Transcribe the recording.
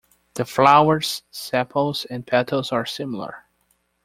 The flowers' sepals and petals are similar.